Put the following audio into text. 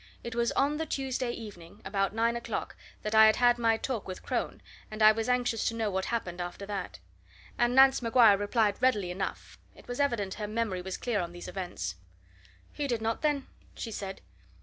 It was on the Tuesday evening, about nine o'clock, that I had had my talk with Crone, and I was anxious to know what happened after that. And Nance Maguire replied readily enough it was evident her memory was clear on these events. "He did not, then," she said.